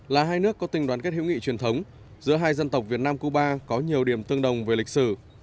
là hai nước có tình đoàn kết hữu nghị truyền thống giữa hai dân tộc việt nam cuba có nhiều điểm tương đồng về lịch sử